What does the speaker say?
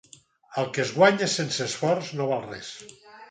El que es guanya sense esforç no val res.